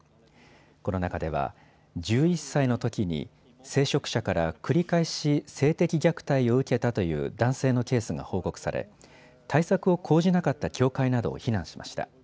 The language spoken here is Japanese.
この中では１１歳のときに聖職者から繰り返し性的虐待を受けたという男性のケースが報告され対策を講じなかった教会などを非難しました。